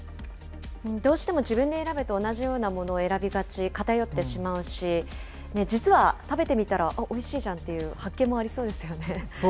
どうしても自分で選ぶと同じようなものを選びがち、偏ってしまうし、実は食べてみたら、あっ、おいしいじゃんっていう発見もあそうですよね。